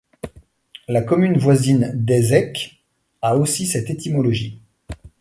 La commune voisine d'Aizecq a aussi cette étymologie.